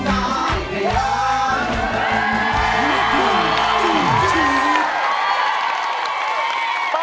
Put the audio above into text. ร้องได้ครับ